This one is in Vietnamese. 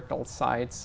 và thực sự